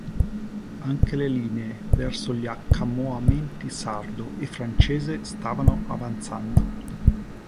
Anche le linee verso gli accamoamenti sardo e francese stavano avanzando.